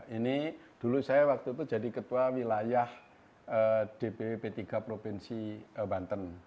ini dulu saya waktu itu jadi ketua wilayah dpwp tiga provinsi banten